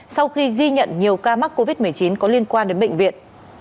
sau khi ghi nhận nhiều ca mắc covid một mươi chín có liên quan đến bệnh viện